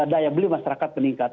daya beli masyarakat meningkat